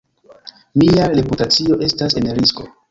Mia reputacio estas en risko.